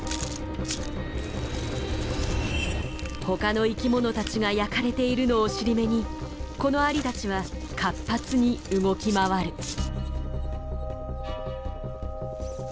他の生きものたちが焼かれているのを尻目にこのアリたちは活発に動き回る。